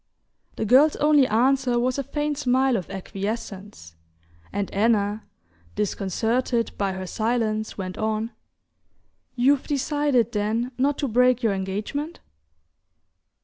The girl's only answer was a faint smile of acquiescence, and Anna, disconcerted by her silence, went on: "You've decided, then, not to break your engagement?"